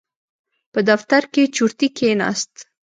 په دفتر کې چورتي کېناست.